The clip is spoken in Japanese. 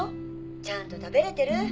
ちゃんと食べれてる？